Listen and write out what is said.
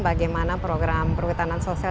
bagaimana program perwetanan sosial